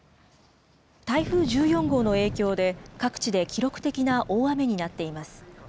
台風１４号の影響で、各地で記録的な大雨になっています。